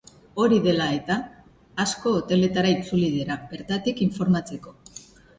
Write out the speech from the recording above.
Hori dela eta, asko hoteletara itzuli dira, bertatik informatzeko.